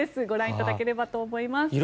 ご覧いただければと思います。